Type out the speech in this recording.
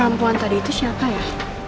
perempuan tadi itu siapa ya